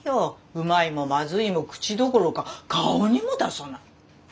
うまいもまずいも口どころか顔にも出さない。